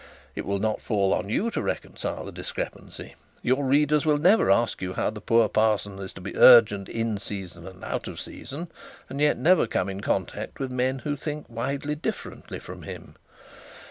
It will not fall on you to reconcile the discrepancy; your readers will never ask you how the poor parson is to be urgent in season and out of season, and yet never come in contact with men who think widely differently from him.